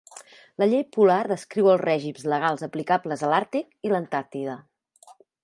La llei polar descriu els règims legals aplicables a l'Àrtic i l'Antàrtida.